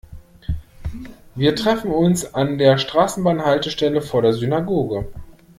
Wir treffen uns an der Straßenbahnhaltestelle vor der Synagoge.